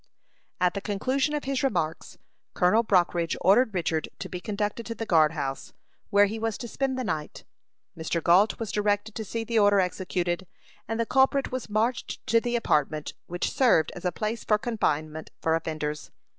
At the conclusion of his remarks, Colonel Brockridge ordered Richard to be conducted to the guard house, where he was to spend the night. Mr. Gault was directed to see the order executed, and the culprit was marched to the apartment which served as a place of confinement for offenders.